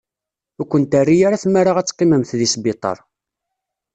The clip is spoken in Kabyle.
Ur kent-terri ara tmara ad teqqimemt deg sbiṭar.